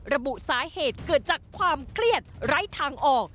ระบุสาเหตุเกิดจากความเครียดไร้ทางออก